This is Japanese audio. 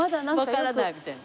わからないみたいな。